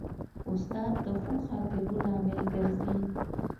استاد د ښو خاطرو لامل ګرځي.